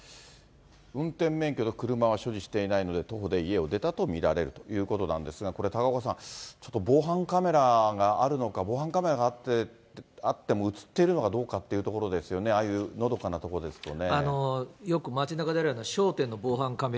運転免許と車は所持していないので、徒歩で家を出たと見られるということなんですが、これ、高岡さん、ちょっと防犯カメラがあるのか、防犯カメラがあっても、写っているのかどうかっていうところですよね、ああいうのどかな所ですとね。